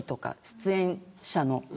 出演者の。